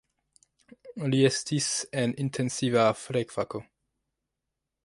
Li estis en intensiva flegfako.